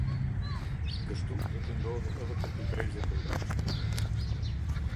Kështu do t’i ndodhë edhe këtij brezi të mbrapshtë".